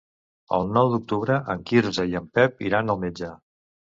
El nou d'octubre en Quirze i en Pep iran al metge.